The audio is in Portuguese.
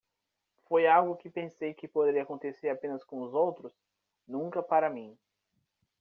Foi algo que pensei que poderia acontecer apenas com os outros? nunca para mim.